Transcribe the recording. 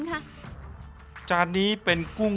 ซุปไก่เมื่อผ่านการต้มก็จะเข้มขึ้น